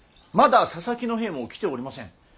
まだ佐々木の兵も来ておりません。